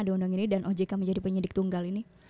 ada undang ini dan ojk menjadi penyidik tunggal ini